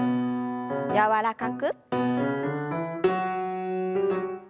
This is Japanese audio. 柔らかく。